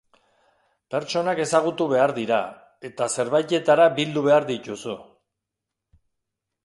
Pertsonak ezagutu behar dira eta zerbaitetara bildu behar dituzu.